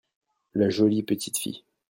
la jolie petite fille.